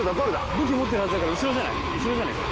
武器持ってるはずだから後ろじゃない？